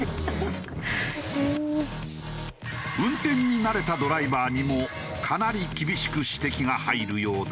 運転に慣れたドライバーにもかなり厳しく指摘が入るようだが。